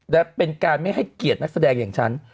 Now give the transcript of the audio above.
และเป็นการไม่ให้เกียรตินักแสดงอย่างฉัน